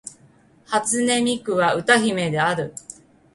初音ミクは歌姫である